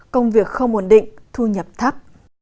công việc không ổn định thu nhập thấp